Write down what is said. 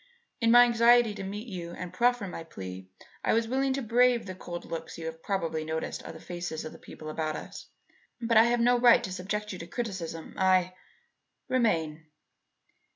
In my anxiety to meet you and proffer my plea, I was willing to brave the cold looks you have probably noticed on the faces of the people about us. But I have no right to subject you to criticism. I " "Remain."